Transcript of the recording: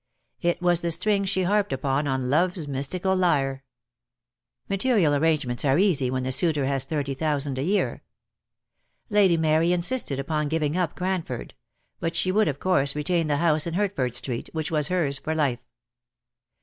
It was the string she harped upon on love's mystical lyre. Material arrangements are easy when the suitor has thirty thousand a year. Lady Mary insisted upon giving up Cranford; but she would of course retain the house in Hertford Street, which was hers for life.